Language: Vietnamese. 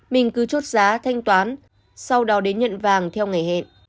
mình cứ chốt giá thanh toán sau đó đến nhận vàng theo ngày hẹn